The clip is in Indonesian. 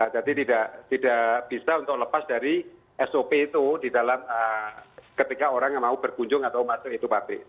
jadi tidak bisa untuk lepas dari sop itu di dalam ketika orang mau berkunjung atau masuk itu pabrik